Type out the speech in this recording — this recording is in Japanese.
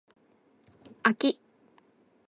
あき